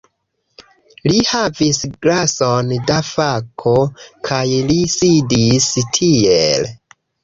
Li havis glason da kafo, kaj li sidis tiel: